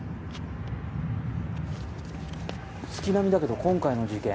月並みだけど今回の事件。